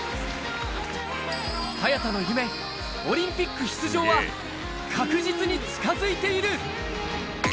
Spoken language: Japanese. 早田の夢、オリンピック出場は確実に近づいている！